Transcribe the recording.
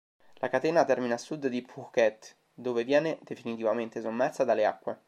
La catena termina a sud dI Phuket, dove viene definitivamente sommersa dalle acque.